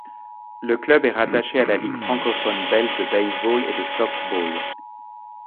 Le club est rattaché à la ligue francophone belge de baseball et softball.